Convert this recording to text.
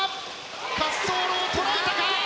滑走路を捉えたか！